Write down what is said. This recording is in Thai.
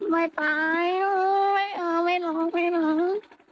ไม่ตายไม่เอาไม่ร้องไม่ร้อง